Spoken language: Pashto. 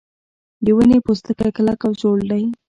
د ونې پوستکی کلک او زوړ دی.